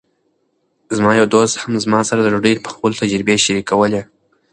زما یو دوست هم زما سره د ډوډۍ پخولو تجربې شریکولې.